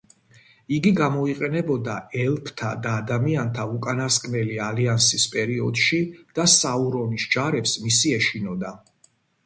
იგი გამოიყენებოდა ელფთა და ადამიანთა უკანასკნელი ალიანსის პერიოდში და საურონის ჯარებს მისი ეშინოდა.